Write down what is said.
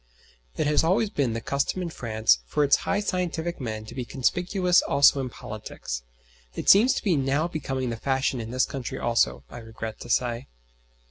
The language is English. It has always been the custom in France for its high scientific men to be conspicuous also in politics. It seems to be now becoming the fashion in this country also, I regret to say.